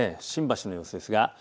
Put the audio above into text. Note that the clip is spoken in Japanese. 新橋の様子です。